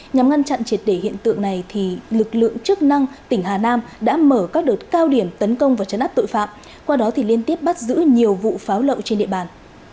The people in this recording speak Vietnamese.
nhằm ngăn chặn triệt để hiện tượng này lực lượng chức năng tỉnh hà nam đã mở các đợt cao điểm tấn công và chấn áp tội phạm qua đó thì liên tiếp bắt giữ nhiều vụ pháo lậu trên địa bàn